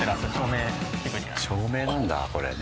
照明なんだこれね。